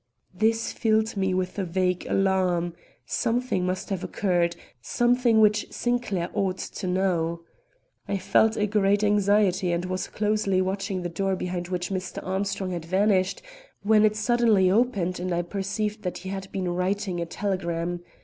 This filled me with a vague alarm. Something must have occurred something which Sinclair ought to know. I felt a great anxiety and was closely watching the door behind which Mr. Armstrong had vanished when it suddenly opened and I perceived that he had been writing a telegram.